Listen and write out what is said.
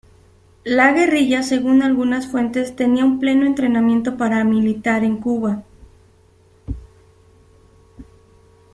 La guerrilla según algunas fuentes tenía un pleno entrenamiento paramilitar en Cuba.